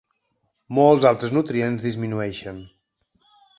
Molts altres nutrients disminueixen.